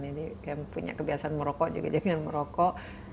jadi yang punya kebiasaan merokok juga jangan merokok